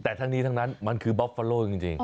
แต่ทั้งนี้ทั้งนั้นมันคือบอฟฟาโลจริง